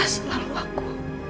kenapa selalu aku